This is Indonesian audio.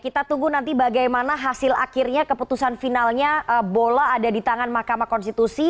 kita tunggu nanti bagaimana hasil akhirnya keputusan finalnya bola ada di tangan mahkamah konstitusi